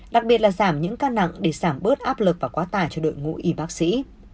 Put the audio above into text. đặc biệt là giảm những ca nặng để giảm bớt áp lực và quá tải cho đội ngũ y bác sĩ